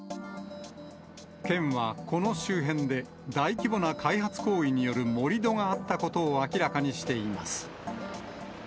県はこの周辺で、大規模な開発行為による盛り土があったことを明らかにしています。